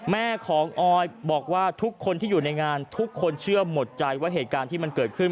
แม่ของออยบอกว่าทุกคนที่อยู่ในงานทุกคนเชื่อหมดใจว่าเหตุการณ์ที่มันเกิดขึ้น